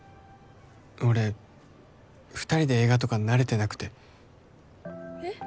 俺二人で映画とか慣れてなくてえっ？